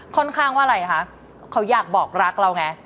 ค่อนข้างว่าอะไรคะเขาอยากบอกรักเราไง